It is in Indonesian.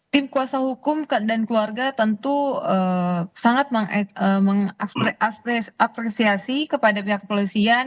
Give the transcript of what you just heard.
tim kuasa hukum dan keluarga tentu sangat mengapresiasi kepada pihak polisian